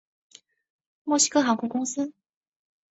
墨西哥航空公司。